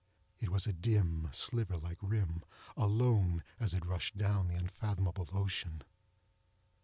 It was a dim, sliver like rim, alone, as it rushed down the unfathomable ocean.